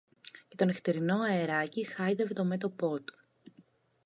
Και το νυχτερινό αεράκι χάιδευε το μέτωπο του